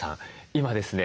今ですね